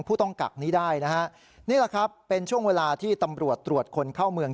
ผู้ต้องกักนี้ได้นะฮะนี่แหละครับเป็นช่วงเวลาที่ตำรวจตรวจคนเข้าเมือง